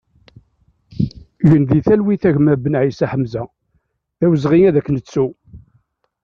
Gen di talwit a gma Benaïssa Ḥamza, d awezɣi ad k-nettu!